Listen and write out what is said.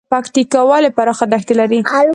پکتیکا ولې پراخه دښتې لري؟